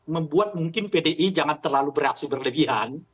membuat mungkin pdi jangan terlalu bereaksi berlebihan